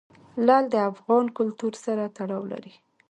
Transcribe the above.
لعل د افغان کلتور سره تړاو لري.